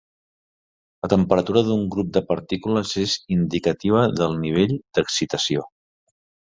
La temperatura d'un grup de partícules és indicativa del nivell d'excitació.